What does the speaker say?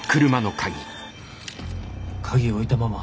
鍵置いたまま。